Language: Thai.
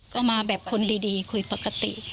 ก็มาแบบคนดีคุยปกติ